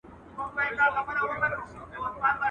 مسخره هغه ده، چي ولگېږي، يا و نه لگېږي.